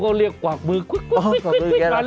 ก็เรียกกวะกมือขวิท